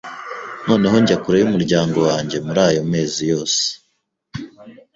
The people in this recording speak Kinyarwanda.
noneho njya kure y’umuryango wanjye muri ayo mezi yose,